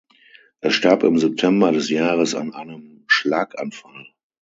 Er starb im September des Jahres an einem Schlaganfall.